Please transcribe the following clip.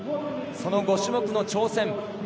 その５種目の挑戦。